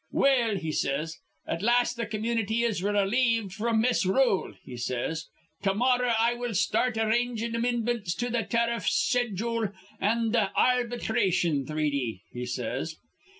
'Well,' he says, 'at last th' community is relieved fr'm misrule,' he says. 'To morrah I will start in arrangin' amindmints to th' tariff schedool an' th' ar bitration threety,' he says.